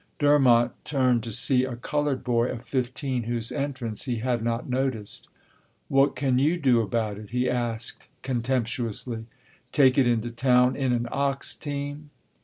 Durmont turned to see a colored boy of fifteen whose entrance he had not noticed. "What can you do about it?" he asked contemptuously, "take it into town in an ox team?"